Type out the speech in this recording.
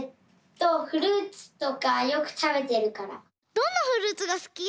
どんなフルーツがすき？